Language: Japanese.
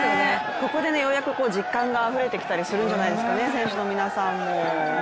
ここでね、ようやく実感があふれてきたりするんじゃないですかね、選手の皆さんも。